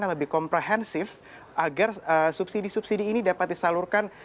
yang lebih komprehensif agar subsidi subsidi ini dapat disalurkan